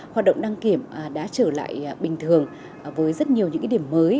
hoạt động đăng kiểm đã trở lại bình thường với rất nhiều những điểm mới